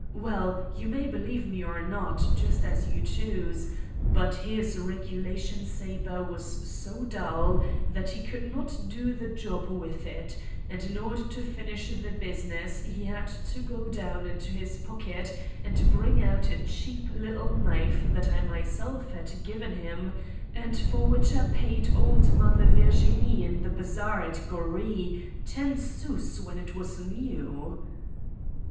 Well, you may believe me or not, just as you choose, but his regulation sabre was so dull that he could not do the job with it, and in order to finish the business he had to go down into his pocket and bring out a cheap little knife that I myself had given him, and for which I paid old Mother Virginie, in the bazaar at Goree, ten sous when it was new."